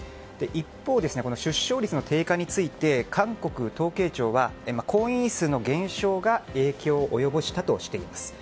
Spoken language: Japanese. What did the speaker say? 一方、出生率の低下について韓国統計庁は婚姻数の減少が影響を及ぼしたとしています。